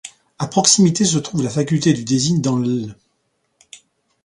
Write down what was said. À proximité se trouve la faculté du design dans l'.